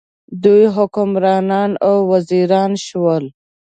دوی حکمران او وزیران شول.